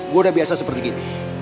gue udah biasa seperti gini